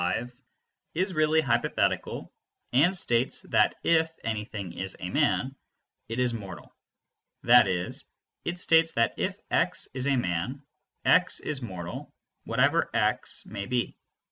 This proposition 5 is really hypothetical and states that if anything is a man, it is mortal. That is, it states that if x is a man, x is mortal, whatever x may be.